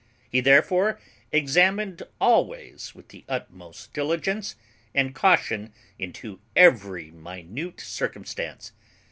He therefore examined always with the utmost diligence and caution into every minute circumstance.